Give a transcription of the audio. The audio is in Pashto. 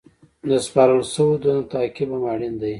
د سپارل شوو دندو تعقیب هم اړین دی.